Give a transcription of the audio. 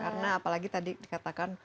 karena apalagi tadi katakan